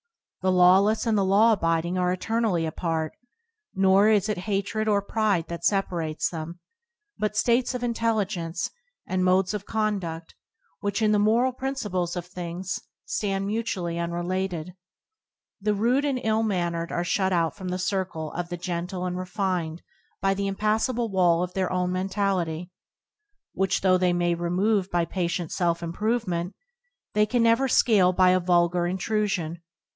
The lawless and the law abid ing are eternally apart, nor is it hatred nor pride that separates them, but states of in telligence and modes of condud which in 60an; I&mgof^mD the moral principles of things stand mutu ally unrelated. The rude and ill mannered are shut out from the circle of the gentle and refined by the impassable wall of their own mentality which, though they may remove by patient self improvement, they can never scale by a vulgar intrusion.